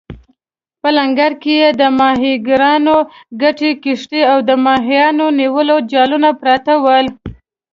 په لنګر کې د ماهیګیرانو ګڼې کښتۍ او د ماهیانو نیولو جالونه پراته ول.